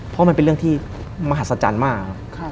เพราะมันเป็นเรื่องที่มหัศจรรย์มาก